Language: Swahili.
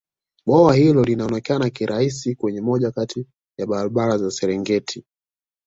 bwawa hilo linaonekana kirahisi kwenye moja Kati ya barabara za serengeti